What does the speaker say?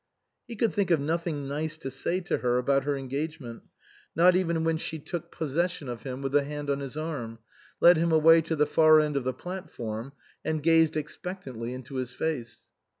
He could think of nothing nice to say to her about her engagement, not even when she took 139 THE COSMOPOLITAN possession of him with a hand on his arm, led him away to the far end of the platform, and gazed expectantly into his face.